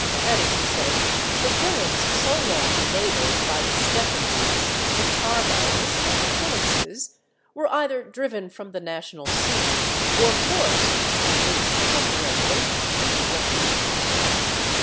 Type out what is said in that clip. That is to say, the villains so long belabored by the Steffenses, the Tarbells and the Phillipses were either driven from the national scene or forced (at least temporarily) into rectitude.